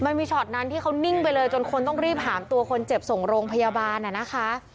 มันมีช็อตนั้นที่เขานิ่งไปเลยจนคนต้องรีบหามตัวคนเจ็บส่งโรงพยาบาลน่ะนะคะ